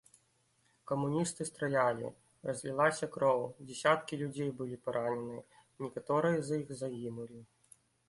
Камуністы стралялі, разлілася кроў, дзясяткі людзей былі паранены, некаторыя з іх загінулі.